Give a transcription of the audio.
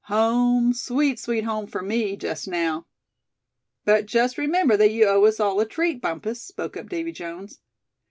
Home, sweet, sweet home for me, just now!" "But just remember that you owe us all a treat, Bumpus," spoke up Davy Jones.